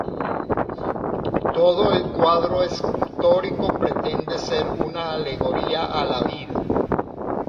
Todo el cuadro escultórico pretende ser una alegoría a la vida.